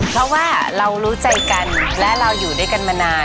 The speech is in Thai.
เพราะว่าเรารู้ใจกันและเราอยู่ด้วยกันมานาน